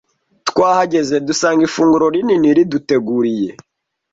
Twahageze dusanga ifunguro rinini riduteguriye.